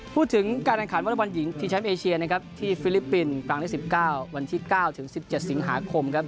พูดถึงการแข่งขันวอเล็กบอลหญิงที่แชมป์เอเชียนะครับที่ฟิลิปปินส์ครั้งที่๑๙วันที่๙ถึง๑๗สิงหาคมครับ